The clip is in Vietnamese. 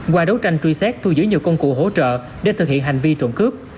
qua đấu tranh truy xét thu giữ nhiều công cụ hỗ trợ để thực hiện hành vi trộm cướp